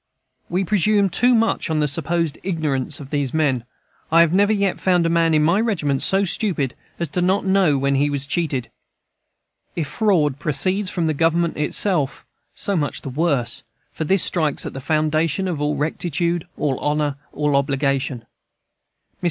We presume too much on the supposed ignorance of these men. I have never yet found a man in my regiment so stupid as not to know when he was cheated. If fraud proceeds from Government itself, so much the worse, for this strikes at the foundation of all rectitude, all honor, all obligation. Mr.